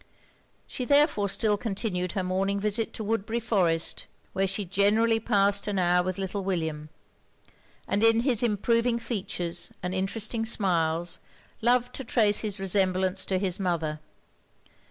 She therefore still continued her morning visit to Woodbury Forest, where she generally past an hour with little William; and in his improving features and interesting smiles, loved to trace his resemblance to his mother.